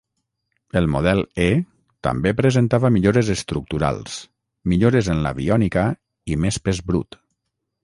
El model E també presentava millores estructurals, millores en l'aviònica i més pes brut.